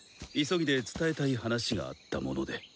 急ぎで伝えたい話があったもので。